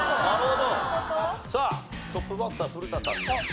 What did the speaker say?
さあトップバッターは古田さんですが。